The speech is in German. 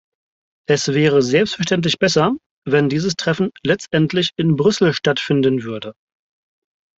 Es wäre selbstverständlich besser, wenn dieses Treffen letztendlich in Brüssel stattfinden würde.